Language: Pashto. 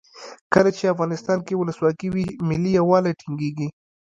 کله چې افغانستان کې ولسواکي وي ملي یووالی ټینګیږي.